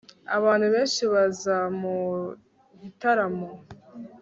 abantu benshi baza mu gitaramo